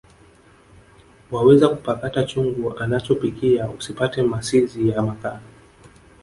Wawezakupakata chungu anachopikia usipate masizi ya mkaa